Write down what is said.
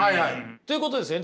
ということですよね？